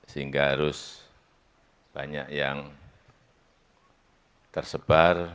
sehingga harus banyak yang tersebar